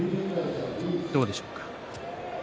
どうでしょうか。